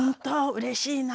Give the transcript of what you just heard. うれしいな。